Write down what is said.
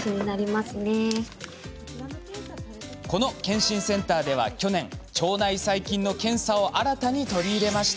この健診センターでは去年腸内細菌の検査を新たに取り入れました。